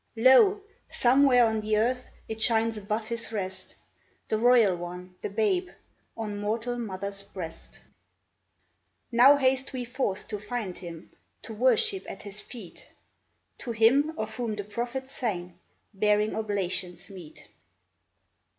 *' Lo ! somewhere on the earth It shines above His rest— The Royal One, the Babe, On mortal mother's breast. " Now haste we forth to find Him — To worship at His feet. To Him of whom the prophets sang Bearing oblations meet